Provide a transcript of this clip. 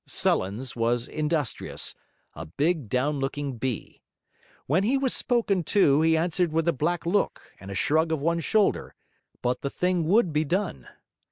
Sullens was industrious; a big down looking bee. When he was spoken to, he answered with a black look and a shrug of one shoulder, but the thing would be done.